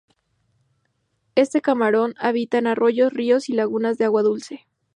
Este camarón habita en arroyos, ríos y lagunas de agua dulce.